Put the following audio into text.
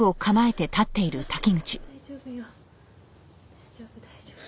大丈夫大丈夫。